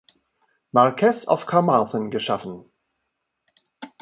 Marquess of Carmarthen geschaffen.